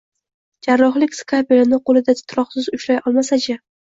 jarrohlik skalpelini qo’lda titroqsiz ushlay olmasachi?!